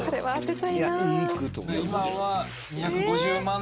２５０万円！